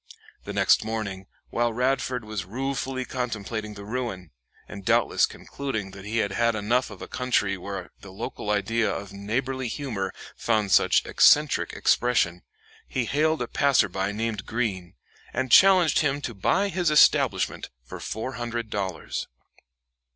The next morning, while Radford was ruefully contemplating the ruin, and doubtless concluding that he had had enough of a country where the local idea of neighborly humor found such eccentric expression, he hailed a passer by named Greene, and challenged him to buy his establishment for four hundred dollars.